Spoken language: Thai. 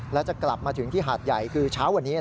แล้วจะกลับมาถึงที่หาดใหญ่คือเช้าวันนี้